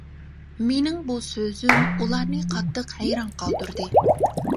مېنىڭ بۇ سۆزۈم ئۇلارنى قاتتىق ھەيران قالدۇردى.